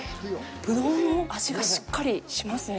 ブドウの味がしっかりしますね。